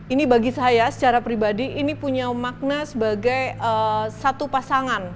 ini bagi saya secara pribadi ini punya makna sebagai satu pasangan